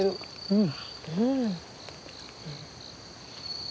うん。